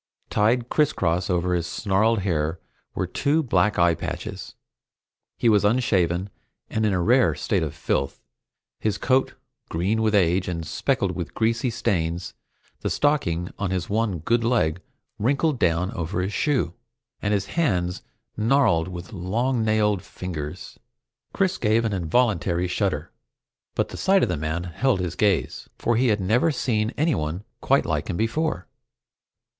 Tied crisscross over his snarled hair were two black eye patches. He was unshaven and in a rare state of filth, his coat green with age and speckled with greasy stains, the stocking on his one good leg wrinkling down into his shoe, and his hands gnarled with long nailed fingers. Chris gave an involuntary shudder, but the sight of the man held his gaze, for he had never seen anyone quite like him before.